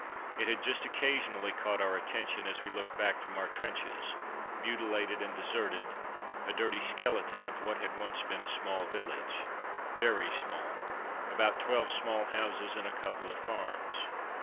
It had just occasionally caught our attention as we looked back from our trenches; mutilated and deserted, a dirty skeleton of what once had been a small village very small about twelve small houses and a couple of farms.